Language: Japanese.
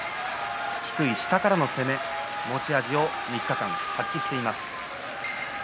低い下からの攻め持ち味を３日間、発揮しています。